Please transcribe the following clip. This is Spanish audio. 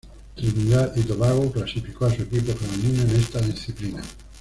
Trinidad y Tobago clasificó a su equipo femenino en esta disciplina.